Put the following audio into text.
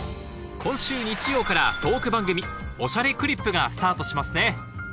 今週日曜からトーク番組『おしゃれクリップ』がスタートしますね